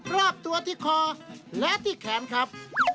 รอบตัวที่คอและที่แขนครับ